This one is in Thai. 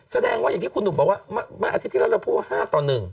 แสดงว่าอย่างที่คุณหนุ่มบอกว่าเมื่ออาทิตย์ที่แล้วเราพูดว่า๕ต่อ๑